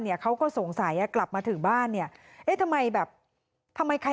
เขาก็สงสัยอ่ะกลับมาถึงบ้านเนี่ยเอ๊ะทำไมแบบทำไมใคร